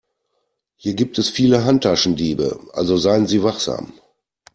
Hier gibt es viele Handtaschendiebe, also seien Sie wachsam.